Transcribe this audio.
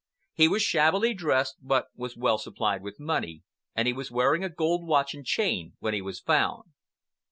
He was shabbily dressed but was well supplied with money, and he was wearing a gold watch and chain when he was found.